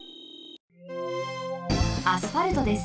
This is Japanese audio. アスファルトです。